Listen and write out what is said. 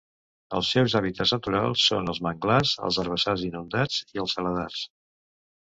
Els seus hàbitats naturals són els manglars, els herbassars inundats i els saladars.